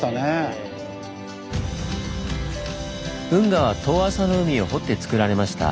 運河は遠浅の海を掘ってつくられました。